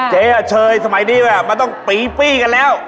เจ๊อ่ะเชยสมัยนี้มันต้องปีกันแล้ว